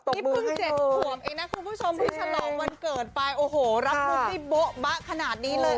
นี่พรึ่งเจ็กฝ่วงเองนะคุณผู้ชมพรุ่งฉลองวันเกิดโอ้โหรับภูมิเบาะบ๊ะขนาดนี้เลย